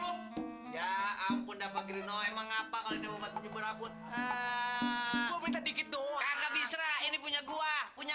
lu ya ampun dapat reno emang apa kalau di obat penyumbur rambut dikit dong ini punya gua punya